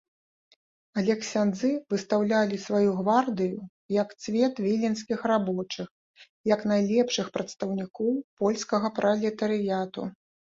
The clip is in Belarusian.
Але ксяндзы выстаўлялі сваю гвардыю як цвет віленскіх рабочых, як найлепшых прадстаўнікоў польскага пралетарыяту.